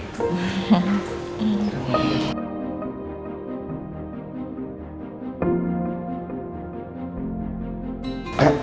silakan duduk semua